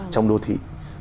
trong đô thị